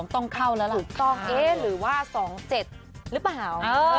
๙๒๗๒ต้องเข้าแล้วหรือว่า๒๗หรือเปล่า